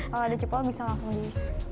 kalau ada jepol bisa langsung di